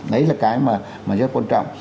đấy là cái mà rất quan trọng